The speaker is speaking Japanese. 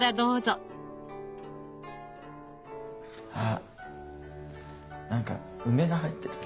あなんか梅が入ってる。